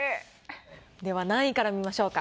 では何位から見ましょうか？